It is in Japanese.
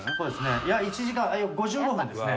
いや１時間５５分ですね。